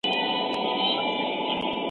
هغه په ځوانۍ کې میږې او اوښان ساتل.